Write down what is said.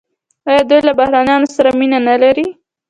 آیا دوی له بهرنیانو سره مینه نلري؟